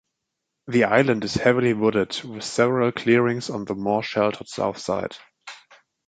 The island is heavily wooded with several clearings on the more sheltered south side.